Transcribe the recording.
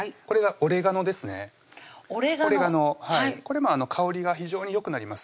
オレガノこれも香りが非常によくなります